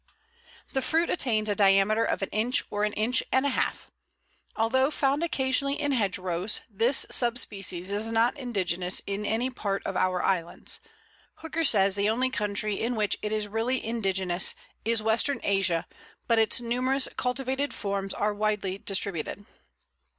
The fruit attains a diameter of an inch or an inch and a half. Although found occasionally in hedgerows, this sub species is not indigenous in any part of our islands. Hooker says the only country in which it is really indigenous is Western Asia; but its numerous cultivated forms are widely distributed.